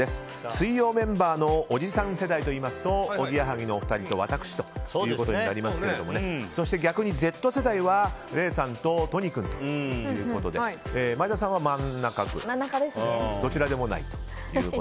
水曜メンバーのおじさん世代といいますとおぎやはぎのお二人と私となりますがそして逆にＺ世代は礼さんと都仁君ということで前田さんは真ん中ぐらいです。